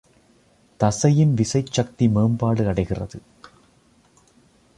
தசையின் விசைச் சக்தி மேம்பாடு அடைகிறது.